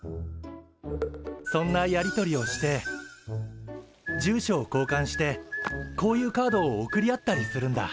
そんなやり取りをして住所をこうかんしてこういうカードを送り合ったりするんだ。